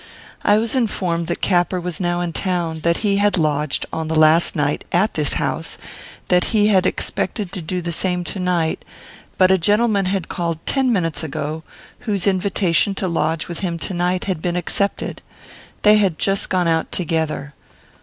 I was informed that Capper was now in town; that he had lodged, on the last night, at this house; that he had expected to do the same to night, but a gentleman had called ten minutes ago, whose invitation to lodge with him to night had been accepted. They had just gone out together.